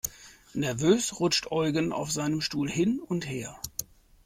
Nervös rutscht Eugen auf seinem Stuhl hin und her.